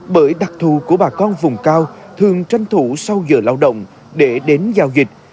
bởi đặc thù của bà con vùng cao thường tranh thủ sau giờ lao động để đến giao dịch